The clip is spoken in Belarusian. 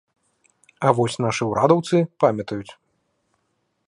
А вось нашы ўрадаўцы памятаюць!